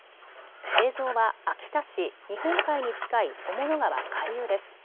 映像は秋田市、日本海に近い雄物川下流です。